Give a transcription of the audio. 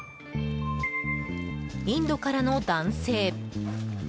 インドからの男性。